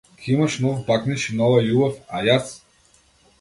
Ќе имаш нов бакнеж и нова љубов, а јас?